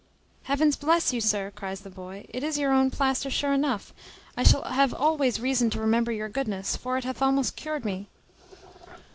"Heavens bless you, sir," cries the boy, "it is your own plaister sure enough; I shall have always reason to remember your goodness; for it hath almost cured me."